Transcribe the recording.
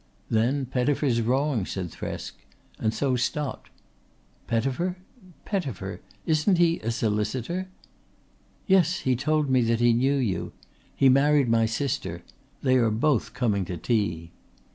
"Then Pettifer's wrong," said Thresk and so stopped. "Pettifer? Pettifer? Isn't he a solicitor?" "Yes, he told me that he knew you. He married my sister. They are both coming to tea."